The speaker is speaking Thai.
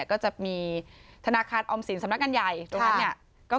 ก็จะมีธนาคารออมสินสำนักงานใหญ่ตรงนั้นเนี่ย